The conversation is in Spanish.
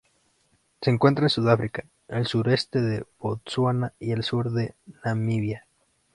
Se encuentra en Sudáfrica, el sureste de Botsuana y el sur de Namibia.